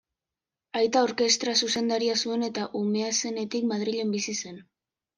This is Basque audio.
Aita orkestra-zuzendaria zuen eta umea zenetik Madrilen bizi zen.